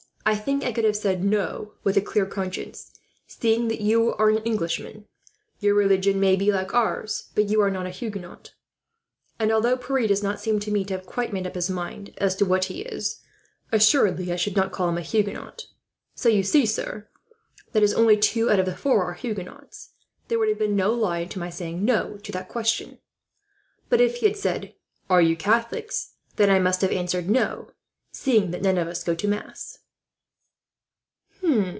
I think I could have said 'No,' with a clear conscience, seeing that you are an Englishman. Your religion may be like ours, but you are not a Huguenot; and although Pierre does not seem to me to have quite made up his mind as to what he is, assuredly I should not call him a Huguenot. So you see, sir, that as only two out of the four are Huguenots, there would have been no lie to my saying 'no' to that question. But if he had said 'Are you Catholics?' I must have answered 'No,' seeing that none of us go to mass."